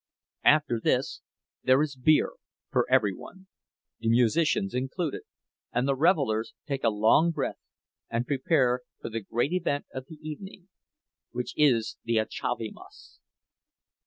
After this there is beer for every one, the musicians included, and the revelers take a long breath and prepare for the great event of the evening, which is the acziavimas.